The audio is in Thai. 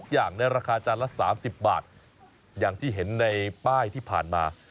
อย่างที่เห็นในป้ายที่ผ่านมา